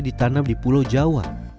ditanam di pulau jawa